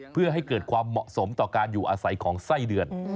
เพื่อให้เกิดความเหมาะสมต่อการอยู่อาศัยของไส้เดือน